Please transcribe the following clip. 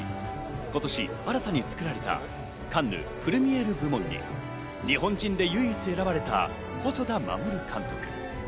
今年、新たに作られたカンヌ・プルミエール部門に日本人で唯一選ばれた細田守監督。